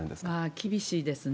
厳しいですね。